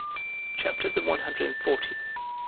CHAPTER THE ONE HUNDRED AND FORTIETH.